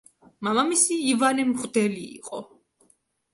მამამისი ივანე მღვდელი იყო.